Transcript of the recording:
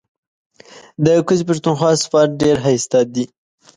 ده کوزی پښتونخوا سوات ډیر هائسته دې